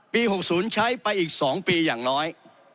๖๐ใช้ไปอีก๒ปีอย่างน้อย